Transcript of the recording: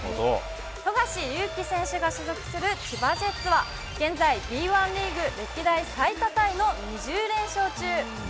富樫勇樹選手が所属する千葉ジェッツは、現在、Ｂ１リーグ歴代最多タイの２０連勝中。